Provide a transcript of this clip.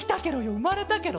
うまれたケロ。